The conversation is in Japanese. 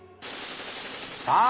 さあ